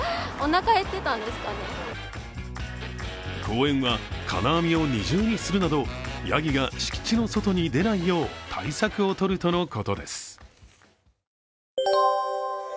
公園は、金網を二重にするなどやぎが敷地の外に出ないよう対策を取るとのことです。